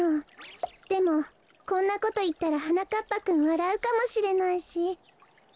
でもこんなこといったらはなかっぱくんわらうかもしれないし。